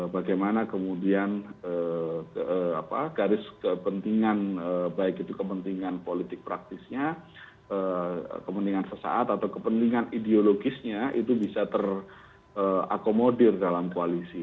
bagaimana kemudian garis kepentingan baik itu kepentingan politik praktisnya kepentingan sesaat atau kepentingan ideologisnya itu bisa terakomodir dalam koalisi